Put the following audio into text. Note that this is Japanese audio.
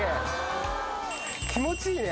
気持ちいいね。